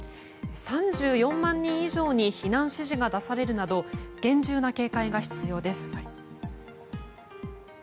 ３４万人以上に避難指示が出されるなど厳重な警戒が必要です。